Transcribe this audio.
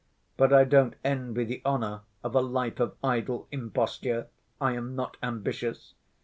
But I don't envy the honor of a life of idle imposture, I am not ambitious.